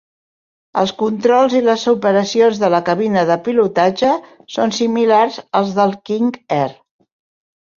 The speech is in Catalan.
Els controls i les operacions de la cabina de pilotatge són similars als del King Air.